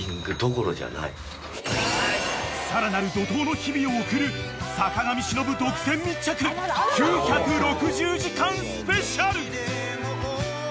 ［さらなる怒濤の日々を送る坂上忍独占密着９６０時間スペシャル！］